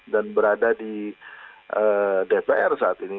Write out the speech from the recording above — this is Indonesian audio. dan berada di dpr saat ini